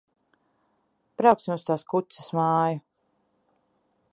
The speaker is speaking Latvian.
Brauksim uz tās kuces māju.